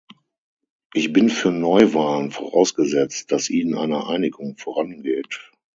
Ich bin für Neuwahlen, vorausgesetzt, dass ihnen eine Einigung vorangeht.